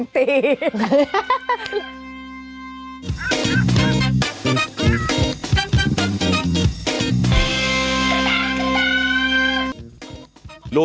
ไปค่ะ